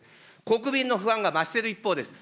国民の不安が増している一方です。